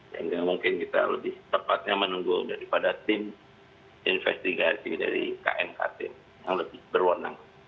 jadi mungkin kita lebih tepatnya menunggu daripada tim investigasi dari knkt yang lebih berwarna